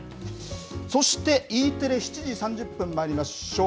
そして、Ｅテレ７時３０分まいりましょう。